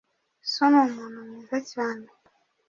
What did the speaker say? So ni umuntu mwiza cyane.